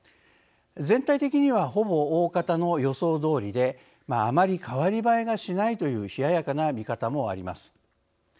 全体的にはほぼおおかたの予想どおりであまり代わり映えがしないという冷ややかな見方もあります。